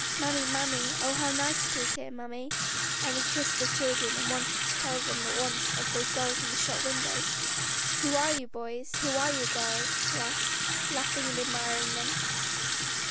"Mammy, Mammy; oh, how nice it is here, Mammy!" And again he kissed the children and wanted to tell them at once of those dolls in the shop window. "Who are you, boys? Who are you, girls?" he asked, laughing and admiring them.